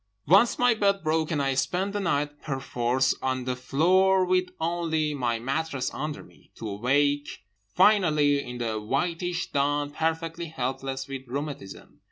Once my bed broke, and I spent the night perforce on the floor with only my mattress under me; to awake finally in the whitish dawn perfectly helpless with rheumatism.